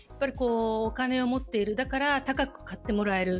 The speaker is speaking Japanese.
お金を持っているだから高く買ってもらえる。